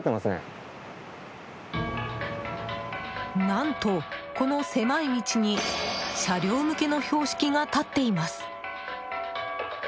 何と、この狭い道に車両向けの標識が立っています。